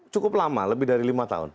cukup lama lebih dari lima tahun